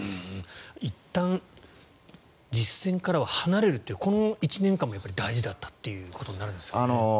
いったん実戦からは離れるというこの１年間も大事だったということになるんですか？